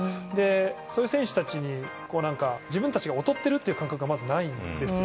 そういう選手たちに自分たちが劣っているって感覚がまずないんですよ。